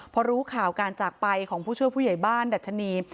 พอรู้ข่าวการจากไปของผู้ช่วยผู้ใหญ่บ้านดัชนี